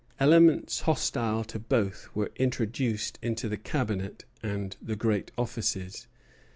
Elements hostile to both were introduced into the Cabinet and the great offices.